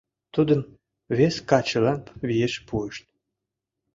Тудым вес качылан виеш пуышт...